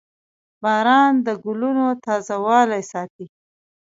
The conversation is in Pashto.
• باران د ګلونو تازهوالی ساتي.